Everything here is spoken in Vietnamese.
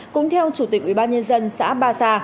cũng theo chủ tịch ubnd xã ba sa